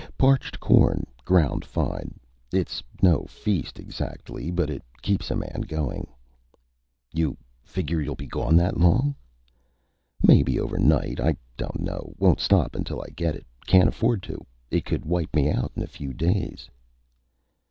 Parched corn, ground fine. It's no feast exactly, but it keeps a man going." "You figure you'll be gone that long?" "Maybe overnight. I don't know. Won't stop until I get it. Can't afford to. It could wipe me out in a few days."